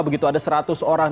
begitu ada seratus orang